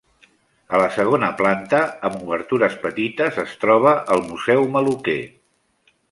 A la segona planta, amb obertures petites, es troba el museu Maluquer.